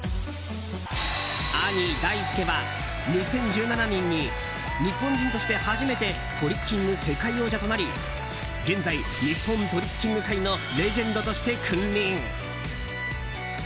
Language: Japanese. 兄・Ｄａｉｓｕｋｅは２０１７年に日本人として初めてトリッキング世界王者となり現在、日本トリッキング界のレジェンドとして君臨。